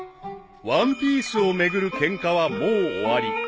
［ワンピースを巡るケンカはもう終わり］